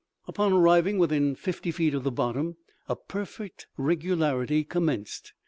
Upon arriving within fifty feet of the bottom, a perfect regularity commenced.